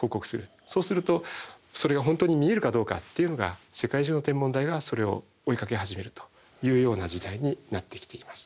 そうするとそれが本当に見えるかどうかっていうのが世界中の天文台がそれを追いかけ始めるというような時代になってきています。